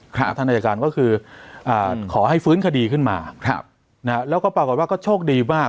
ทางอายการก็คือขอให้ฟื้นคดีขึ้นมาแล้วก็ปรากฏว่าก็โชคดีมาก